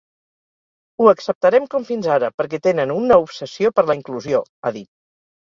Ho acceptarem com fins ara perquè tenen una obsessió per la inclusió, ha dit.